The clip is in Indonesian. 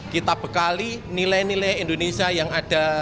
kita bekali nilai nilai indonesia yang ada